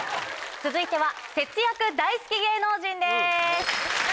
続いては節約大好き芸能人です。